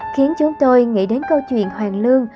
khiến chúng tôi nghĩ đến câu chuyện hoàng lương